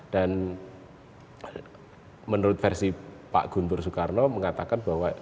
dan menurut versi pak guntur soekarno mengatakan bahwa